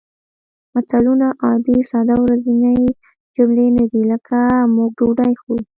متلونه عادي ساده او ورځنۍ جملې نه دي لکه موږ ډوډۍ خورو